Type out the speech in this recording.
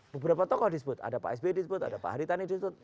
beberapa tokoh disebut ada pak s b disebut ada pak adi tanu disebut